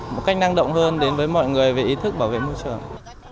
một cách năng động hơn đến với mọi người về ý thức bảo vệ môi trường